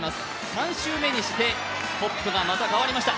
３周目にして、トップがまた変わりました。